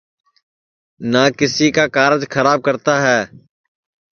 نہ کیسی کا کارج کھراب کرتا ہے